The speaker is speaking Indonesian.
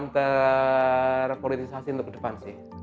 terpolitisasi untuk ke depan